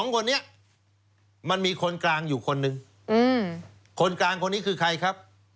๒คนนี้มันมีคนกลางอยู่คนหนึ่งคนกลางคนนี้คือใครครับ